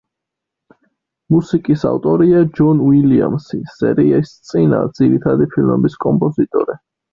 მუსიკის ავტორია ჯონ უილიამსი, სერიის წინა, ძირითადი ფილმების კომპოზიტორი.